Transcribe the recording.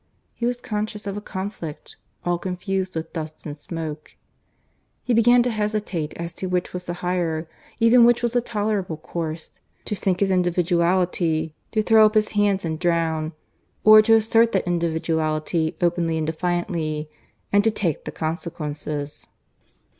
He was conscious of a conflict all confused with dust and smoke. He began to hesitate as to which was the higher, even which was the tolerable course to sink his individuality, to throw up his hands and drown, or to assert that individuality openly and defiantly, and to take the consequences.